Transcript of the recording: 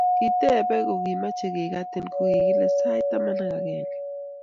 ketibe kemeche keketin ko kikile sait taman ak agenge